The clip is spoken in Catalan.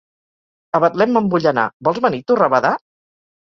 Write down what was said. A Betlem me’n vull anar, vols venir tu rabadà?